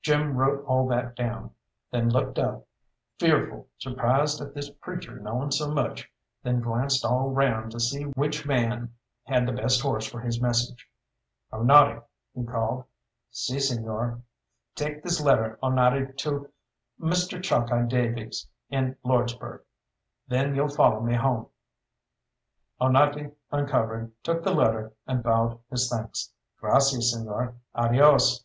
Jim wrote all that down, then looked up, fearful, surprised at this preacher knowing so much, then glanced all round to see which man had the best horse for his message. "Onate!" he called. "Si señor." "Take this letter, Onate, to Mr. Chalkeye Davies in Lordsburgh. Then you'll follow me home." Onate uncovered, took the letter, and bowed his thanks. "Gracias señor, adios!"